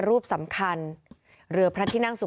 ในเวลาเดิมคือ๑๕นาทีครับ